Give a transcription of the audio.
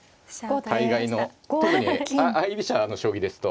大概の特に相居飛車の将棋ですと。